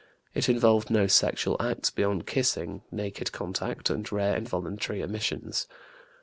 It involved no sexual acts beyond kissing, naked contact, and rare involuntary emissions.